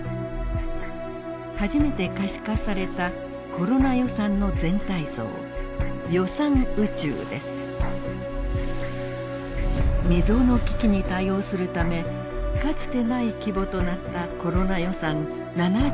初めて可視化されたコロナ予算の全体像未曽有の危機に対応するためかつてない規模となったコロナ予算７７兆円。